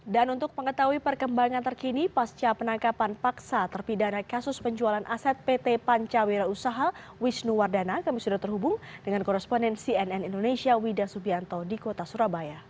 dan untuk mengetahui perkembangan terkini pasca penangkapan paksa terpidana kasus penjualan aset pt pancawira usaha wisnu wardana kami sudah terhubung dengan korresponden cnn indonesia widah subianto di kota surabaya